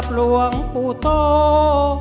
เพลงพร้อมร้องได้ให้ล้าน